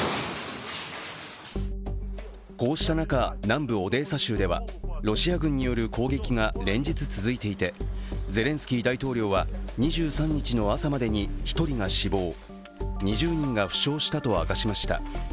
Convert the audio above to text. こうした中、南部オデーサ州では、ロシア軍による攻撃が連日続いていてゼレンスキー大統領は２３日の朝までに１人が死亡、２０人が負傷したと明かしました。